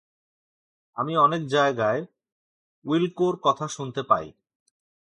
আমি অনেক জায়গায় উইলকোর কথা শুনতে পাই।